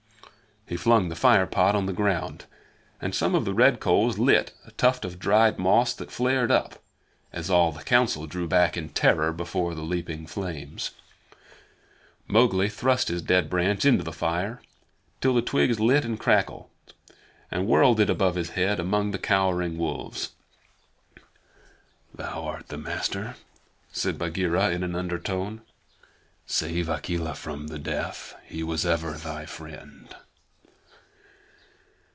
He flung the fire pot on the ground, and some of the red coals lit a tuft of dried moss that flared up, as all the Council drew back in terror before the leaping flames. Mowgli thrust his dead branch into the fire till the twigs lit and crackled, and whirled it above his head among the cowering wolves. "Thou art the master," said Bagheera in an undertone. "Save Akela from the death. He was ever thy friend."